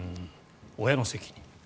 親の責任。